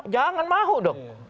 jangan mahu dong